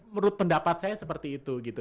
menurut pendapat saya seperti itu gitu